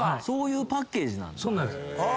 そういうパッケージなんだ。